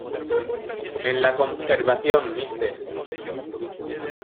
En la conservación, Mr.